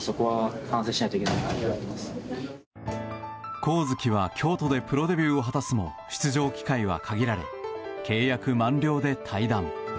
上月は京都でプロデビューを果たすも出場機会は限られ契約満了で退団。